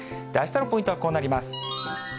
あしたのポイントはこうなります。